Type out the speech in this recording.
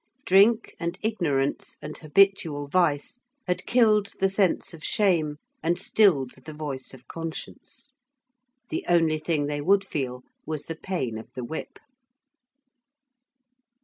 Drink and ignorance and habitual vice had killed the sense of shame and stilled the voice of conscience. The only thing they would feel was the pain of the whip.